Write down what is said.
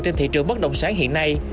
trên thị trường bất động sản hiện nay